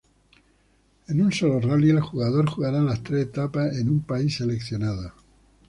En un solo rally, el jugador jugará las tres etapas en un país seleccionado.